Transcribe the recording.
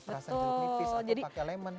rasa jeruk nipis atau pakai lemon